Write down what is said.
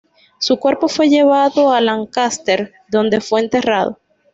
Su cuerpo fue llevado a Lancaster, donde fue enterrado.